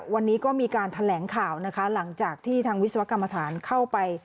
วันนี้ก็มีการแถลงข่าวนะคะหลังจากที่ทางวิศวกรรมฐานเข้าไป